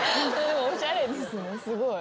おしゃれですねすごい。